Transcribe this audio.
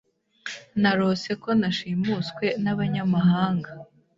Narose ko nashimuswe nabanyamahanga.